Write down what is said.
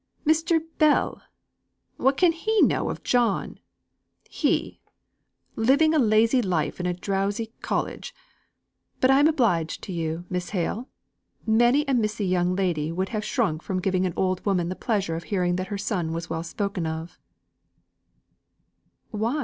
"Mr. Bell! What can he know of John? He, living a lazy life in a drowsy college. But I'm obliged to you, Miss Hale. Many a missy young lady would have shrunk from giving an old woman the pleasure of hearing that her son was well spoken of." "Why?"